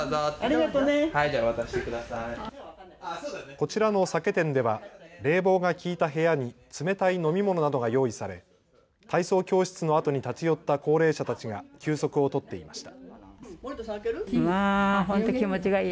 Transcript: こちらの酒店では冷房が効いた部屋に冷たい飲み物などが用意され体操教室のあとに立ち寄った高齢者たちが休息を取っていました。